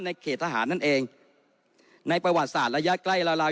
เขตทหารนั่นเองในประวัติศาสตร์ระยะใกล้ละลาย